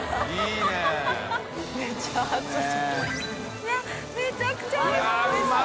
いやめちゃくちゃおいしそう！